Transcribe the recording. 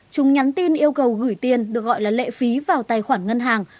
chúng nhắn tin yêu cầu gửi tiền được gọi là lệ phí vào tài khoản ngân hàng